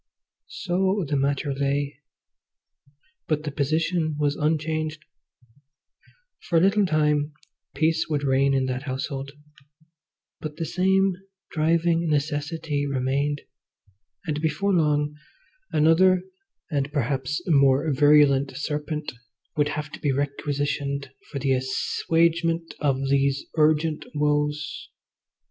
So the matter lay. But the position was unchanged. For a little time peace would reign in that household, but the same driving necessity remained, and before long another, and perhaps more virulent, serpent would have to be requisitioned for the assuagement of those urgent woes.